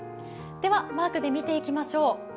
ではマークで見ていきましょう。